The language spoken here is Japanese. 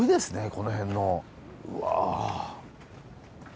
この辺のうわ。